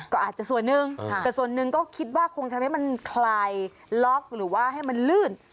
ก็อาจจะส่วนหนึ่งแต่ส่วนหนึ่งก็คิดว่าคงทำให้มันคลายล็อกหรือว่าให้มันลื่น